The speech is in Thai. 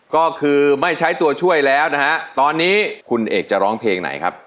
ก็คือไม่ใช้ตัวช่วยแล้วนะฮะตอนนี้คุณเอกจะร้องเพลงไหนครับ